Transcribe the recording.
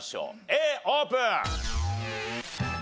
Ａオープン！